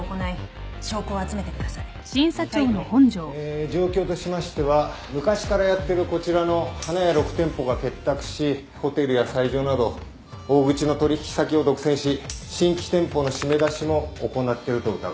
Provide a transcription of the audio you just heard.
え状況としましては昔からやってるこちらの花屋６店舗が結託しホテルや斎場など大口の取引先を独占し新規店舗の締め出しも行ってると疑われます。